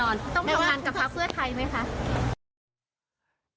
ต้องทำงานกับพักเพื่อไทยไหมคะ